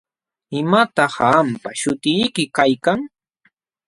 ¿Imataq qampa śhutiyki kaykan?